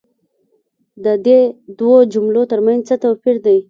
دا دي دوو جملو تر منځ څه توپیر دی؟